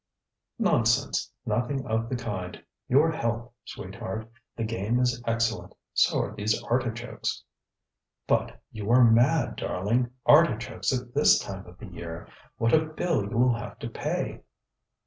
ŌĆØ ŌĆ£Nonsense! Nothing of the kind! Your health, sweetheart! The game is excellent! So are these artichokes! ŌĆØ ŌĆ£No, but you are mad, darling! Artichokes at this time of the year! What a bill you will have to pay!